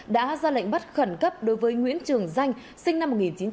đã ra lệnh bắt khẩn cấp đối với nguyễn trường danh sinh năm một nghìn chín trăm tám mươi